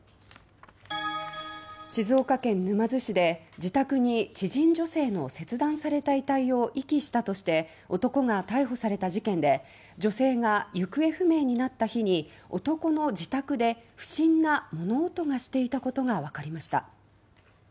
静岡県沼津市で自宅に知人女性の切断された遺体を遺棄したとして男が逮捕された事件で女性が行方不明になった日に男の自宅で不審な物音がしていたことがわかりました。